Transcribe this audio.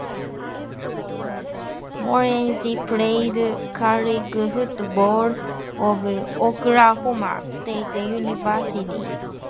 Morency played college football for Oklahoma State University.